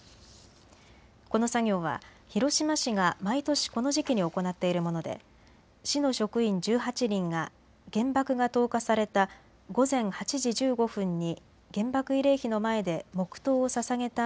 この作業は広島市が毎年、この時期に行っているもので市の職員１８人が原爆が投下された午前８時１５分に原爆慰霊碑の前で黙とうをささげた